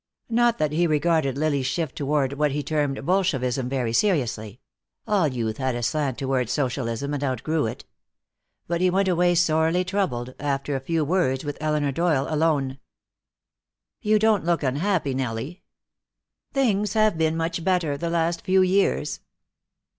Not that he regarded Lily's shift toward what he termed Bolshevism very seriously; all youth had a slant toward socialism, and outgrew it. But he went away sorely troubled, after a few words with Elinor Doyle alone. "You don't look unhappy, Nellie." "Things have been much better the last few years."